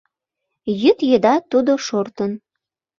Йӱд еда тудо шортын.